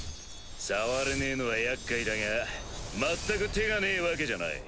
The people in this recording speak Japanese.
触れねぇのは厄介だが全く手がねぇわけじゃない。